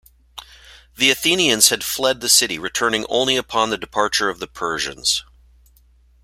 The Athenians had fled the city, returning only upon the departure of the Persians.